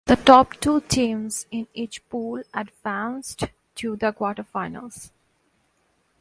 The top two teams in each pool advanced to the quarterfinals.